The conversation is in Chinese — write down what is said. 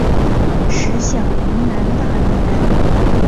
石晓云南大理人。